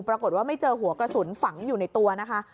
ปรากฏว่าไม่เจอหัวกระสุนฝังอยู่ในตัวนะคะ